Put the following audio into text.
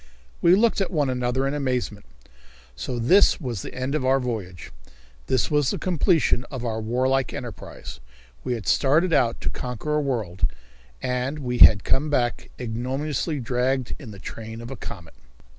We looked at one another in amazement. So this was the end of our voyage! This was the completion of our warlike enterprise. We had started out to conquer a world, and we had come back ignominiously dragged in the train of a comet.